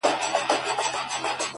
دا ستا خبري او ښكنځاوي گراني _